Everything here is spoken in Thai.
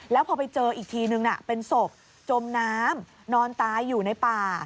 แล้วพอไปเจออีกทีนึงเป็นศพจมน้ำนอนตายอยู่ในป่า